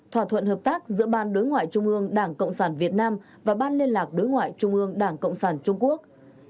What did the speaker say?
thỏa thuận hợp tác giữa ban đối ngoại trung ương đảng cộng sản việt nam và ban liên lạc đối ngoại trung ương đảng cộng sản trung quốc